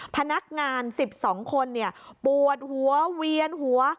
พนักงานสิบสองคนเนี่ยปวดหัวเวียนหัว